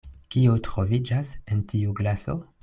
Kio troviĝas en tiu glaso?